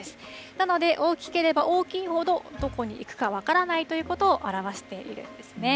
なので、大きければ大きいほど、どこに行くか分からないということを表しているんですね。